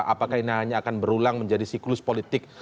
apakah ini hanya akan berulang menjadi siklus politik